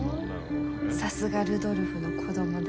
「さすがルドルフの子どもだ！」